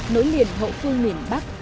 nỗi liền hậu phương miền bắc